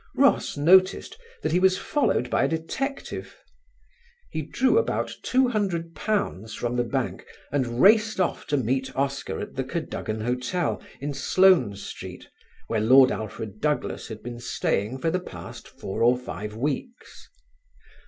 Ross noticed that he was followed by a detective. He drew about £200 from the bank and raced off to meet Oscar at the Cadogan Hotel, in Sloane Street, where Lord Alfred Douglas had been staying for the past four or five weeks.